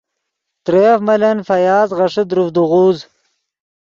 ترے یف ملن فیاض غیݰے دروڤدے غوز